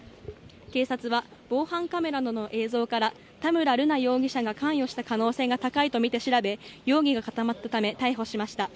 警察は防犯カメラなどの映像から田村瑠奈容疑者が関与した可能性が高いとみて調べ容疑が固まったため逮捕しました。